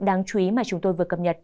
đáng chú ý mà chúng tôi vừa cập nhật